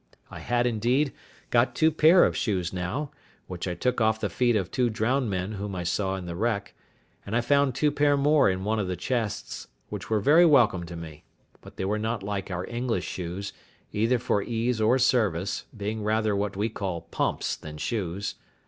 I had, indeed, got two pair of shoes now, which I took off the feet of two drowned men whom I saw in the wreck, and I found two pair more in one of the chests, which were very welcome to me; but they were not like our English shoes, either for ease or service, being rather what we call pumps than shoes.